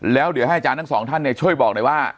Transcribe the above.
แล้วเดี๋ยวให้อาจารย์ทั้งสองท่านช่วยบอกหน่อยว่า